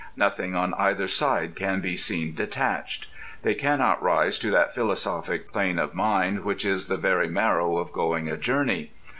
Nothing on either side can be seen detached. They cannot rise to that philosophic plane of mind which is the very marrow of going a journey.